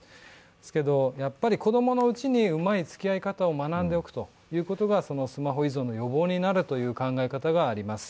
けど、子供のうちにうまいつきあい方を学んでおくことがスマホ依存の予防になるという考え方があります。